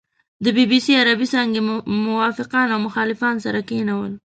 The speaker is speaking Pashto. د بي بي سي عربې څانګې موافقان او مخالفان سره کېنول.